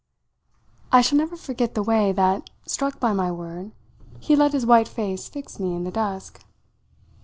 I shall never forget the way that, struck by my word, he let his white face fix me in the dusk.